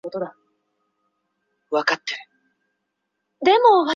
此时的中性粒子主要是星云中的氢分子。